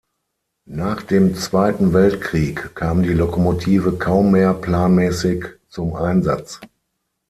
Nach dem Zweiten Weltkrieg kam die Lokomotive kaum mehr planmäßig zum Einsatz.